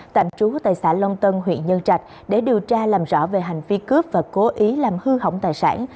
tạm trú tại xã long tân huyện nhân trạch để điều tra làm rõ về hành vi cướp và cố ý làm hư hỏng tài sản